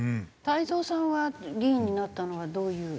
太蔵さんは議員になったのはどういう？